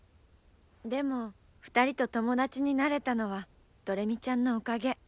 でも２人と友達になれたのはどれみちゃんのおかげ。